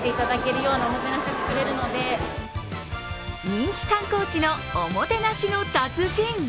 人気観光地のおもてなしの達人。